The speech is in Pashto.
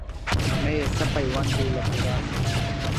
نه یې څه پیوند دی له بورا سره .